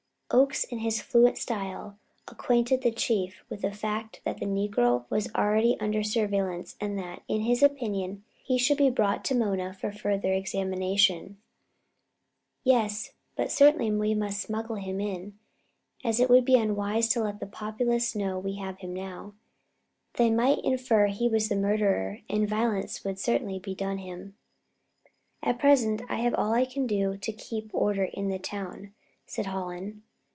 Oakes, in his fluent style, acquainted the Chief with the fact that the negro was already under surveillance and that, in his opinion, he should be brought to Mona for further examination. "Yes, but we must smuggle him in. It would be unwise to let the populace know we have him now; they might infer he was the murderer and violence would certainly be done him. At present, I have all I can do to keep order in the town," said Hallen.